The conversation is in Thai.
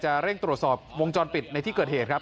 เร่งตรวจสอบวงจรปิดในที่เกิดเหตุครับ